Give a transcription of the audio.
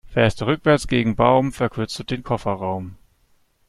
Fährste rückwärts gegen Baum, verkürzt du den Kofferraum.